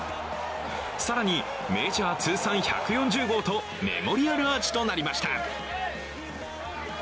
更にメジャー通算１４０号とメモリアルアーチとなりました。